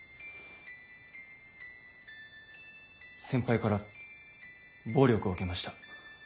先輩から暴力を受けました。